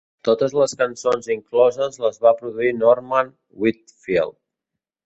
Totes les cançons incloses les va produir Norman Whitfield.